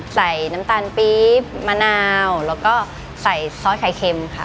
ใส่น้ำตาลปี๊บมะนาวแล้วก็ใส่ซอสไข่เค็มค่ะ